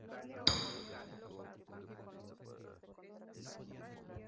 Ejerce además como "negro" literario y coordinó la fundación de una agencia literaria.